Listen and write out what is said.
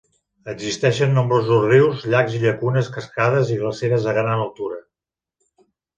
Existeixen nombrosos rius, llacs i llacunes, cascades, i glaceres a gran altura.